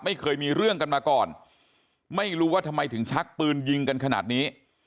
ไม่เคยมีเรื่องกันมาก่อนไม่รู้ว่าทำไมถึงชักปืนยิงกันขนาดนี้